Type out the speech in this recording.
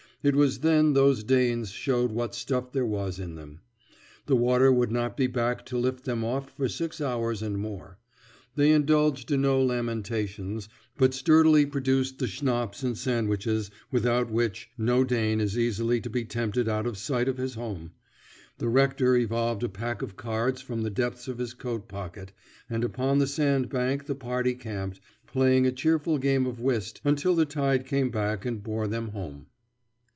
It was then those Danes showed what stuff there was in them. The water would not be back to lift them off for six hours and more. They indulged in no lamentations, but sturdily produced the schnapps and sandwiches without which no Dane is easily to be tempted out of sight of his home: the rector evolved a pack of cards from the depths of his coat pocket, and upon the sandbank the party camped, playing a cheerful game of whist until the tide came back and bore them home.